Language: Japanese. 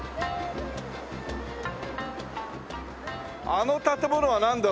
あの建物はなんだろう？